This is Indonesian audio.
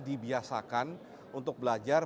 dibiasakan untuk belajar